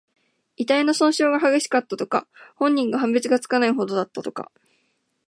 遺体の損傷が激しかった、とか。本人か判別がつかないほどだった、とか。